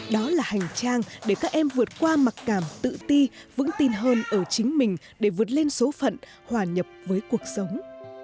đó là hành trang để các em vượt qua mặc cảm tự ti vững tin hơn ở chính mình để vượt lên số phận hòa nhập với cuộc sống